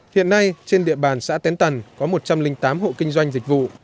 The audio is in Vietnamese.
hiện nay trên địa bàn xã tén tần có một trăm linh tám hộ kinh doanh dịch vụ